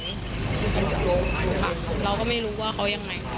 เราก็ไม่รู้ว่าเขายังไง